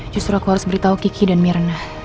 justru aku harus beritahu kiki dan mirna